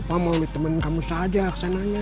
opa mau ditemenin kamu saja kesanannya